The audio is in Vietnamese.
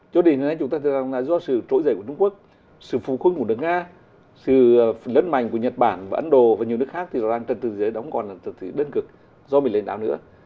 cho đến hôm nay chúng ta thấy rằng là do sự trỗi dậy của trung quốc sự phù khuất của nước nga sự lớn mạnh của nhật bản và ấn độ và nhiều nước khác thì nó đang trật tự thế giới đóng còn là trật tự thế giới đơn cực do mình lãnh đạo nữa